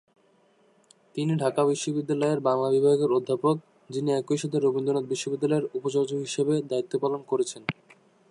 তিনি ঢাকা বিশ্ববিদ্যালয়ের বাংলা বিভাগের অধ্যাপক যিনি একই সাথে রবীন্দ্র বিশ্ববিদ্যালয়ের উপাচার্য হিসেবে দায়িত্ব পালন করছেন।